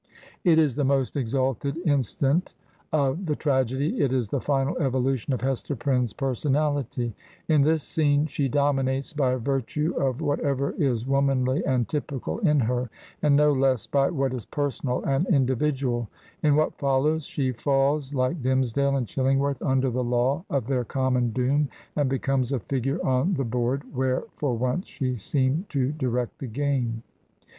It is the most exalted instant of the tragedy, it is the final evolution of Hester Prynne's personality. In this scene she dominates by virtue of whatever is womanly and tj^ical in her, and no less by what is personal and 173 Digitized by VjOOQ IC HEROINES OF FICTION individual. In what follows, she falls like Dimmesdale and Chilling worth under the law of their common doom, and becomes a figure on the board where for once she seemed to direct the game.